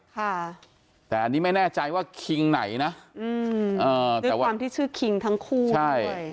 ค่ะแต่อันนี้ไม่แน่ใจว่าคิงไหนนะอืมอ่าด้วยความที่ชื่อคิงทั้งคู่ใช่